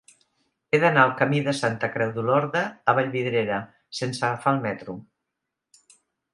He d'anar al camí de Santa Creu d'Olorda a Vallvidrera sense agafar el metro.